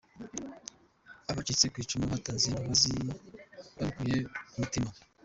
Abacitse ku icumu batanze imbabazi babikuye ku mutima.